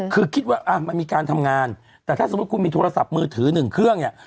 คือคิดว่ามันมีการทำงานแต่ถ้าสมมุติคุณมีโทรศัพท์มือถือหนึ่งเครื่องเนี่ย